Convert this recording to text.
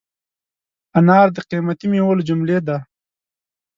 انار د قیمتي مېوو له جملې دی.